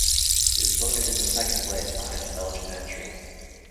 It was voted into second place behind the Belgian entry.